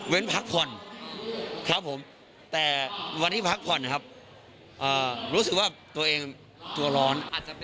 พักผ่อนครับผมแต่วันที่พักผ่อนนะครับรู้สึกว่าตัวเองตัวร้อน